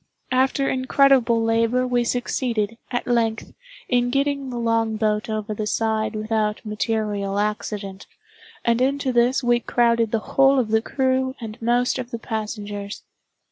After incredible labor we succeeded, at length, in getting the longboat over the side without material accident, and into this we crowded the whole of the crew and most of the passengers.